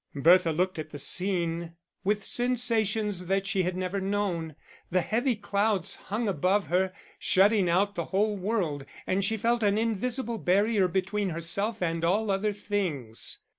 Bertha looked at the scene with sensations that she had never known; the heavy clouds hung above her, shutting out the whole world, and she felt an invisible barrier between herself and all other things.